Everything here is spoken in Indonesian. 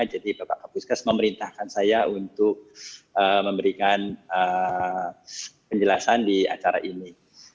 jadi bapak kapuskes memerintahkan saya untuk memberikan penjelasan di acara ini